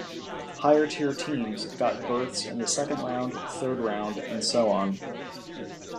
Higher tier teams got berths in the second round, third round, and so on.